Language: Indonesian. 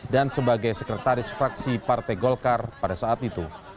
dan sebagai sekretaris fraksi partai golkar pada saat itu